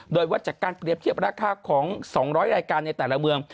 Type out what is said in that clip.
โดยวัดจากการเปรียบเทียบราคาของ๒๐๐รายการในแต่ละเมือง